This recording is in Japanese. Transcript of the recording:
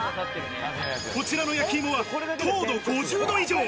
こちらの焼き芋は糖度５０度以上。